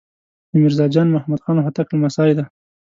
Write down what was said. د میرزا جان محمد خان هوتک لمسی دی.